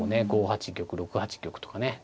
５八玉６八玉とかね